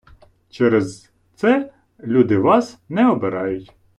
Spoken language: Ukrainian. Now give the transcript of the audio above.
Через це люди Вас не обирають.